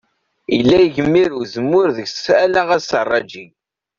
Ila igmir n uzemmur deg-s ala aserraǧi.